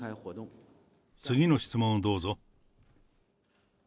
次の質問をどうぞ。